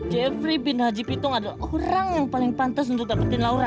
jeffrey bin haji pitung adalah orang yang paling pantas untuk dapetin laura